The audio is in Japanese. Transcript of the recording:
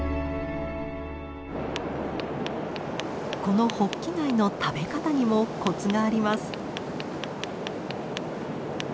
このホッキ貝の食べ方にもコツがあります。